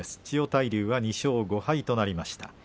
千代大龍は２勝５敗となりました。